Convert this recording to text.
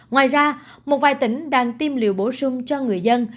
ngoài ra một vài tỉnh đang tiêm liều bổ sung cho người dân